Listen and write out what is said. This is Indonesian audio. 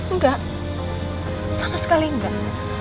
nggak sama sekali enggak